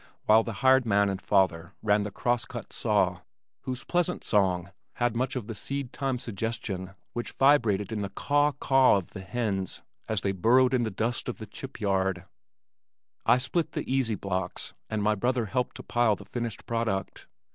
While the hired man and father ran the cross cut saw, whose pleasant song had much of the seed time suggestion which vibrated in the caw caw of the hens as they burrowed in the dust of the chip yard, I split the easy blocks and my brother helped to pile the finished product.